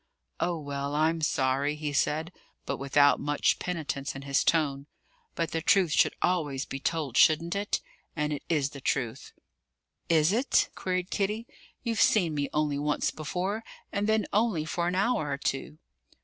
"Oh, well, I'm sorry," he said, but without much penitence in his tone; "but the truth should always be told, shouldn't it? And it is the truth." "Is it?" queried Kitty. "You've seen me only once before, and then only for an hour or two."